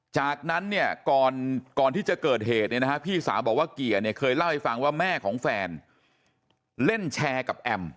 จากนั้นเนี่ยก่อนที่จะเกิดเหตุเนี่ยนะฮะพี่สาวบอกว่าเกียร์เนี่ยเคยเล่าให้ฟังว่าแม่ของแฟนเล่นแชร์กับแอม